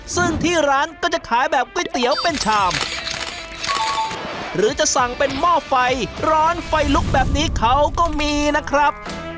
ซึ่งที่ร้านก็จะขายแบบก๋วยเตี๋ยวเป็นชามหรือจะสั่งเป็นหม้อไฟร้อนไฟลุกแบบนี้เขาก็มีนะครับ